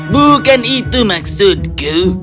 bukan itu maksudku